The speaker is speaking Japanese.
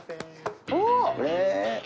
おっ！